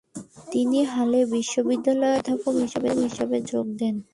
তিনি হালে বিশ্ববিদ্যালয়ে অধ্যাপক হিসেবে যোগ দেন।